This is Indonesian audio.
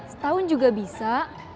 setahun juga bisa